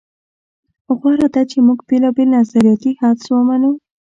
غوره ده چې موږ بېلابېل نظریاتي حدس ومنو.